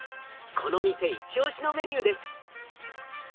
この店一押しのメニューです。